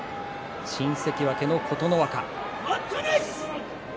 新関脇の琴ノ若。